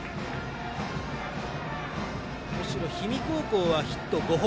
むしろ氷見高校はヒット５本。